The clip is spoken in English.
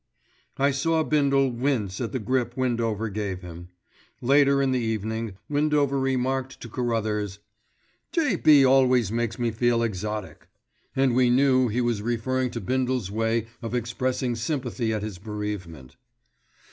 I saw Bindle wince at the grip Windover gave him. Later in the evening Windover remarked to Carruthers, "J.B. always makes me feel exotic," and we knew he was referring to Bindle's way of expressing sympathy at his bereavement.